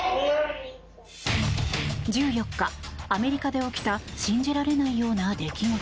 １４日、アメリカで起きた信じられないような出来事。